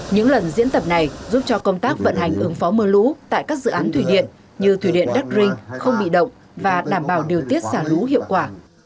những lần diễn tập này giúp cho công tác vận hành ứng phó mưa lũ tại các dự án thủy điện như thủy điện đắc rinh không bị động và đảm bảo điều tiết xả lũ hiệu quả